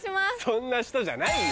そんな人じゃないよ！